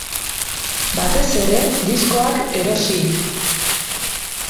Batez ere, diskoak erosi.